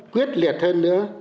quyết liệt hơn nữa